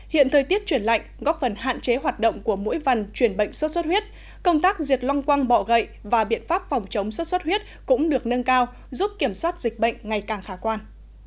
hiện thời tiết chuyển lạnh góp phần hạn chế hoạt động của mỗi vần chuyển bệnh xuất xuất huyết công tác diệt long quang bọ gậy và biện pháp phòng chống xuất xuất huyết cũng được nâng cao giúp kiểm soát dịch bệnh ngày càng khả quan